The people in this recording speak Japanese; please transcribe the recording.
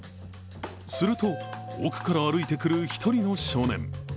すると奥から歩いてくる一人の少年。